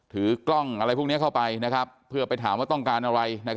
ถือกล้องอะไรพวกนี้เข้าไปเพื่อไปถามว่าต้องการอะไร